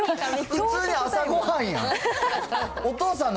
普通に朝ごはんやん。